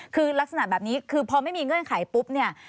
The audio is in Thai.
คือลักษณะแบบนี้พอไม่มีเงื่อนไขปุ๊บ